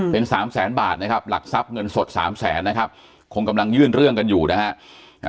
เป็นสามแสนบาทนะครับหลักทรัพย์เงินสดสามแสนนะครับคงกำลังยื่นเรื่องกันอยู่นะฮะ